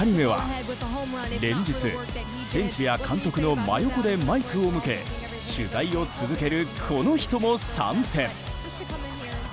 そして２人目は連日、選手や監督の真横でマイクを向け取材を続けるこの人も参戦。